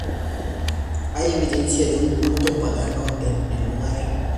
Hay evidencia de un culto pagano en el lugar.